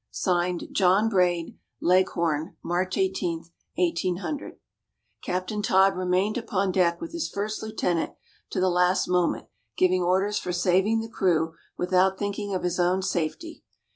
(Signed) "JOHN BRAID." Leghorn, March 18, 1800. Capt. Todd remained upon deck, with his First Lieutenant, to the last moment, giving orders for saving the crew, without thinking of his own safety.